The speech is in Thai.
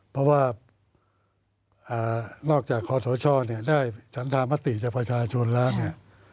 เพราะว่านอกจากข้อสะชอบได้จันทรมาตรีจากประชาชนแล้ว